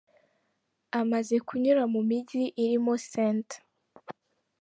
Amaze kunyura mu mijyi irimo St.